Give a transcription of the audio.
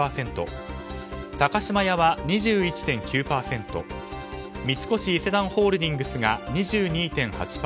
高島屋は２１．９％三越伊勢丹ホールディングスが２２．８％